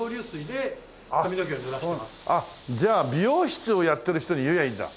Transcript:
じゃあ美容室をやってる人に言えばいいんだ。